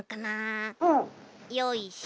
よいしょ。